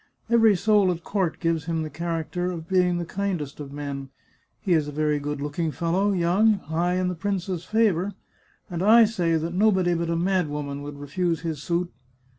Every soul at court gives him the char acter of being the kindest of men ; he is a very good looking fellow, young, high in the prince's favour, and I say that nobody but a mad woman would refuse his suit.